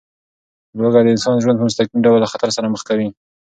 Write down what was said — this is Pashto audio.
لوږه د انسان ژوند په مستقیم ډول له خطر سره مخ کوي.